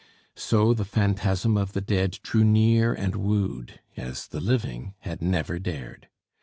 So the phantasm of the dead drew near and wooed, as the living had never dared.